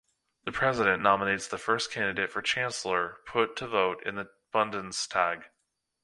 The President nominates the first candidate for Chancellor put to vote in the "Bundestag".